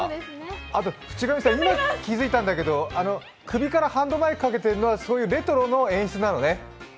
あと渕上さん、今気付いたんだけど首からハンドマイクかけてるのはレトロの演出なのね？